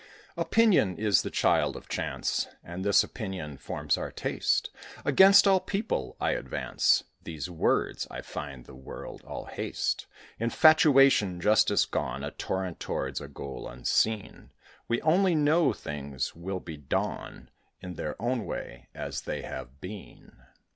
Opinion is the child of Chance, And this Opinion forms our taste. Against all people I advance These words. I find the world all haste Infatuation; justice gone; A torrent towards a goal unseen. We only know things will be done In their own way, as they have been.